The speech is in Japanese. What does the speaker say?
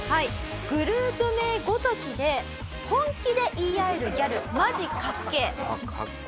グループ名ごときで本気で言い合えるギャルマジかっけえ！